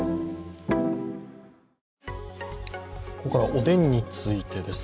ここからはおでんについてです。